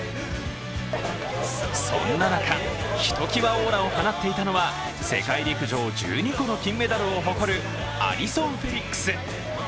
そんな中、ひときわオーラを放っていたのは世界陸上１２個の金メダルを誇るアリソン・フェリックス。